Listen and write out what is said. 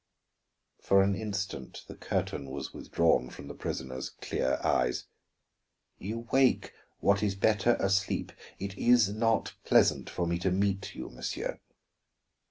For an instant the curtain was withdrawn from the prisoner's clear eyes. "You wake what is better asleep. It is not pleasant for me to meet you, monsieur."